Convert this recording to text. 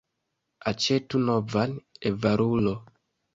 Aĉetu novan, avarulo!